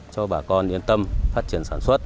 cho bà con yên tâm phát triển sản xuất